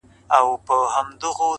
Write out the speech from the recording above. بیا خرڅ کړئ شاه شجاع یم پر پردیو،